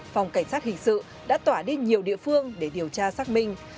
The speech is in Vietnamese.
phòng cảnh sát hình sự đã tỏa đi nhiều địa phương để điều tra xác minh